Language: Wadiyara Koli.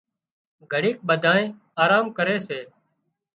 گھڙيڪ ٻڌانئين آرام ڪري سي